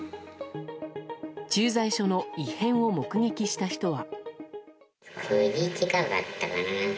駐在所の異変を目撃した人は。